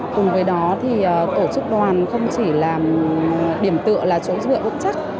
cùng với đó thì tổ chức đoàn không chỉ là điểm tựa là chỗ dựa vững chắc